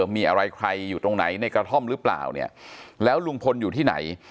มีอะไรใครอยู่ตรงไหนในกระท่อมหรือเปล่าเนี่ยแล้วลุงพลอยู่ที่ไหน